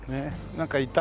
なんかいた？